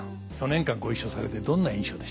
４年間ご一緒されてどんな印象でした？